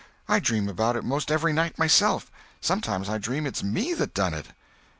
I dream about it most every night myself. Sometimes I dream it's me that done it."